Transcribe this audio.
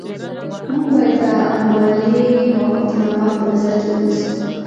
موږ باید د امبالې موافقتنامه په نظر کې ونیسو.